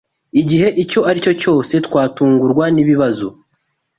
igihe icyo aricyo cyose twatungurwa nibibazo